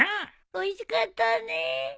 おいしかったね。